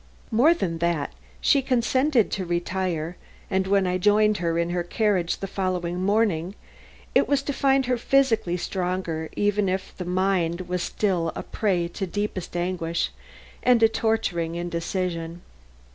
More than that, she consented to retire, and when I joined her in her carriage the following morning, it was to find her physically stronger, even if the mind was still a prey to deepest anguish and a torturing indecision.